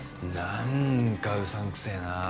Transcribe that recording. なんかうさんくせえなあ。